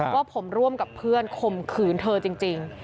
ว่าผมร่วมกับเพื่อนข่มขืนเธอจริง